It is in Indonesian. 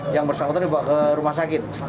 yang bersangkutan dibawa ke rumah sakit